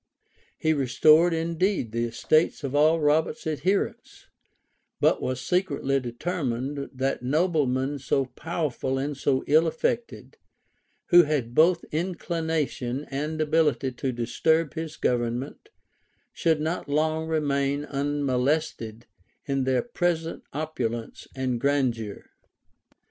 He restored indeed the estates of all Robert's adherents; but was secretly determined, that noblemen so powerful and so ill affected, who had both inclination and ability to disturb his government, should not long remain unmolested in their present opulence and grandeur.